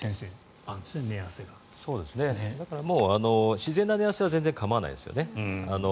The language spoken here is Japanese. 自然な寝汗は全然構わないですよね。